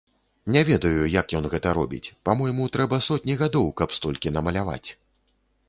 Не ведаю, як ён гэта робіць, па-мойму, трэба сотні гадоў, каб столькі намаляваць.